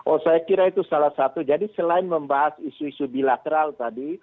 oh saya kira itu salah satu jadi selain membahas isu isu bilateral tadi